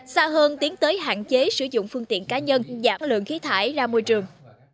xa hơn tiến tới hạn chế sử dụng phương tiện cá nhân giảm lượng khí thải ra môi trường